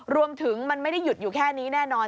รวมถึงมันไม่ได้หยุดอยู่แค่นี้แน่นอน